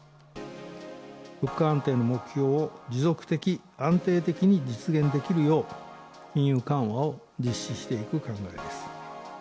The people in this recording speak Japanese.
物価安定の目標を持続的、安定的に実現できるよう、金融緩和を実施していく考えです。